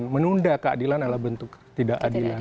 menunda keadilan adalah bentuk ketidakadilan